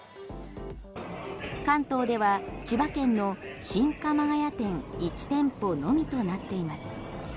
関東では千葉県の新鎌ヶ谷店１店舗のみとなっています。